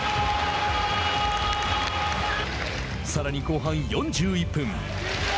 さらに後半４１分。